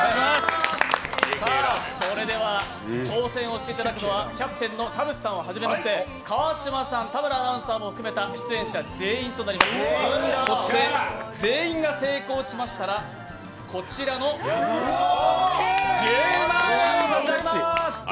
さあ、それでは挑戦をしていただくのはキャプテンの田渕さんをはじめ川島さん、田村アナウンサーを含めた出演者全員となります、そして全員が成功しましたらこちらの１０万円を差し上げます！